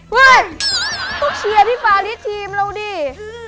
เฮ้ยต้องเชียร์พี่ฟาริสทีมเราดิ